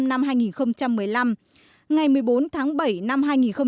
ngày một mươi bốn tháng bảy năm hai nghìn một mươi bốn